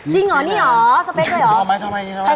จริงเหรอนี่เหรอสเปคเลยเหรอชอบไหม